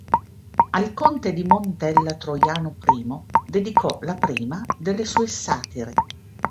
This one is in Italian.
Al conte di Montella Troiano I dedicò la prima delle sue satire.